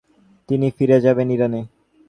তিনি ফিরে যাবেন ইরানে।